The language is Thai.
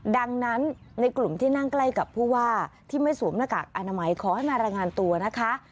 ดังนั้นในกลุ่มที่นั่งใกล้กับผู้ว่าที่ไม่สวมหน้ากากอนามัยขอให้มารายงานตัวนะคะ